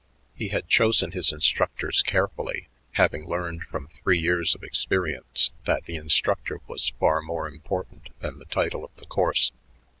He had chosen his instructors carefully, having learned from three years of experience that the instructor was far more important than the title of the course.